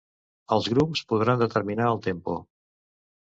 Els grups podran determinar el tempo.